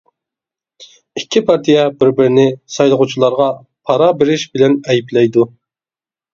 ئىككى پارتىيە بىر-بىرىنى سايلىغۇچىلارغا پارا بېرىش بىلەن ئەيىبلەيدۇ.